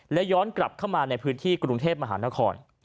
และย้อนกลับเข้ามาในพื้นที่กรุงเทพมหานคร